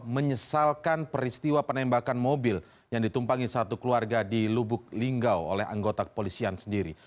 menyesalkan peristiwa penembakan mobil yang ditumpangi satu keluarga di lubuk linggau oleh anggota kepolisian sendiri